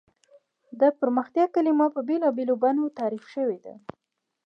د پرمختیا کلیمه په بېلا بېلو بڼو تعریف شوې ده.